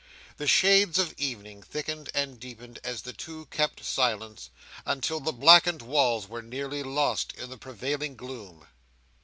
The shades of evening thickened and deepened as the two kept silence, until the blackened walls were nearly lost in the prevailing gloom.